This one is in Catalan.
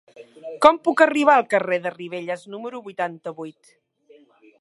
Com puc arribar al carrer de Ribelles número vuitanta-vuit?